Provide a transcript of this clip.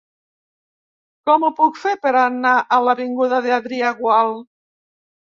Com ho puc fer per anar a l'avinguda d'Adrià Gual?